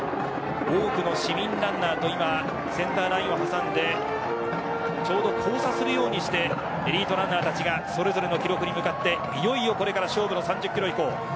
多くの市民ランナーとセンターラインを挟んでちょうど交差するようにしてエリートランナーがそれぞれの記録に向かって勝負の３０キロ以降です。